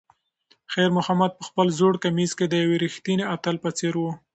خیر محمد په خپل زوړ کمیس کې د یو ریښتیني اتل په څېر و.